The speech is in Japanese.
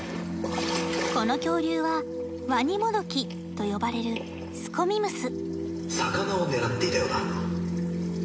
この恐竜はワニもどきと呼ばれるスコミムス魚を狙っていたようだ